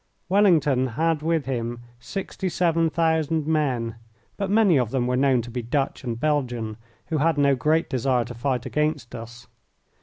Wellington had with him sixty seven thousand men, but many of them were known to be Dutch and Belgian, who had no great desire to fight against us.